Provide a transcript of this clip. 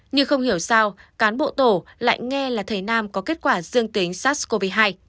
nhưng không hiểu sao cán bộ tổ lại nghe là thầy nam có kết quả dương tính sars cov hai